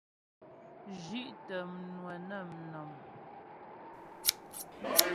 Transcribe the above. Zhí'tə mnwə nə mnɔ̀m.